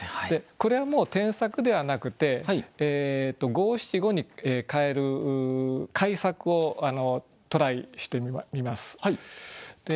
これはもう添削ではなくて五七五に変える改作をトライしてみます。